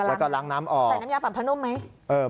แล้วก็ล้างน้ำออกแต่ในน้ำยาแบบธนุปไหม